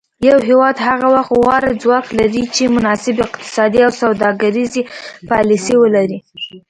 یو هیواد هغه وخت غوره ځواک لري چې مناسب اقتصادي او سوداګریزې پالیسي ولري